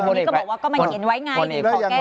ก็บอกว่าก็มันเขียนไว้ง่ายขอแก้